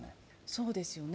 そうですよね。